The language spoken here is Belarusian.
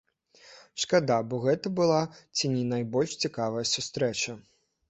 Шкада, бо гэта была ці не найбольш цікавая сустрэча.